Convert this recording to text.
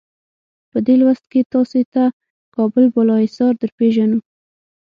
په دې لوست کې تاسې ته کابل بالا حصار درپېژنو.